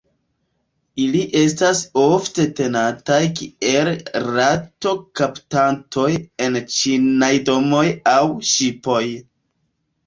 Ili estas ofte tenataj kiel rato-kaptantoj en ĉinaj domoj aŭ ŝipoj.